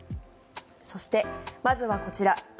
そして、まずはこちら。